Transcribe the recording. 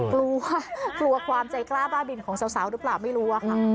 กลัวกลัวความใจกล้าบ้าบินของสาวหรือเปล่าไม่รู้อะค่ะ